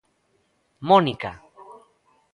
Mónica.